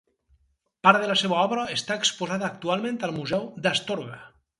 Part de la seva obra està exposada actualment al museu d'Astorga.